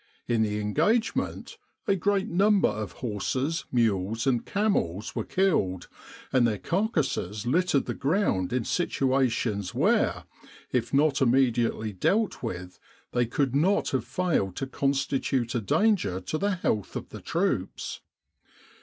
In the engagement a great number of horses, mules and camels were killed, and their carcases littered the ground in situations where, if not immediately dealt with, they could not have failed to constitute a danger to the health of the troops.